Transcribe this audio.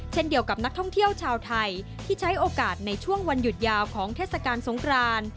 เช่นเดียวกับนักท่องเที่ยวชาวไทยที่ใช้โอกาสในช่วงวันหยุดยาวของเทศกาลสงคราน